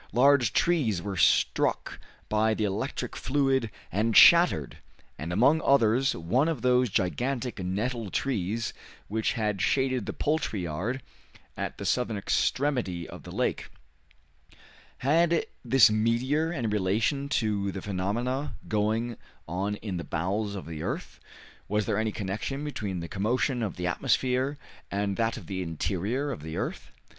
Large trees were struck by the electric fluid and shattered, and among others one of those gigantic nettle trees which had shaded the poultry yard at the southern extremity of the lake. Had this meteor any relation to the phenomena going on in the bowels of the earth? Was there any connection between the commotion of the atmosphere and that of the interior of the earth?